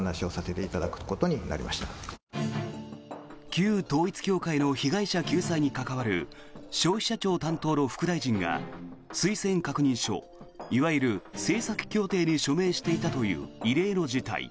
旧統一教会の被害者救済に関わる消費者庁担当の副大臣が推薦確認書いわゆる政策協定に署名していたという異例の事態。